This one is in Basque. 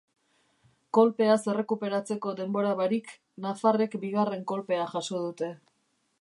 Kolpeaz errekuperatzeko denbora barik, nafarrek bigarren kolpea jaso dute.